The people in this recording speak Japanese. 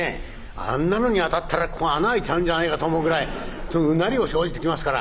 あんなのに当たったらここが穴開いちゃうんじゃないかと思うぐらいうなりを生じて来ますから。